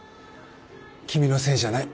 君のせいじゃない。